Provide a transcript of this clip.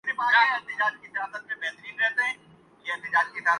یہودیوں میں بہت سے لوگ لبرل ہیں۔